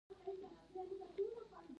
وینه لرونکي بلغم او نور دي.